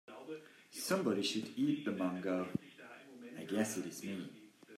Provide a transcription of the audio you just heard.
Somebody should eat the mango, I guess it is me.